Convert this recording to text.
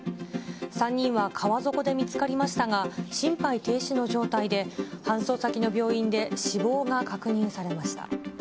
３人は川底で見つかりましたが、心肺停止の状態で、搬送先の病院で死亡が確認されました。